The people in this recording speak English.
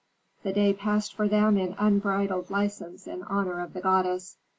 The day passed for them in unbridled license in honor of the goddess.